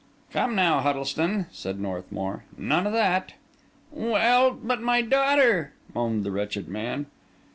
"Come now, Huddlestone," said Northmour, "none of that." "Well, but my daughter," moaned the wretched man.